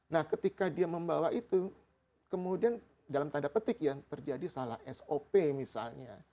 nah ketika dia membawa itu kemudian dalam tanda petik ya terjadi salah sop misalnya